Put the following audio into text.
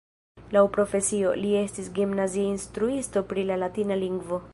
Laŭ profesio, li estis gimnazia instruisto pri la latina lingvo.